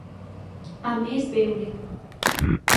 A més veure.